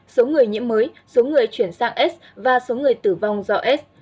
số người nhiễm mới số người chuyển sang aids và số người tử vong do aids